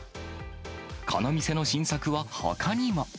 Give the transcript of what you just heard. この店の新作はほかにも。